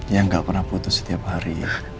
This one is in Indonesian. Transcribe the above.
yang gak pernah putus setiap hari